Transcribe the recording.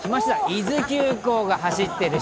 伊豆急行が走っている。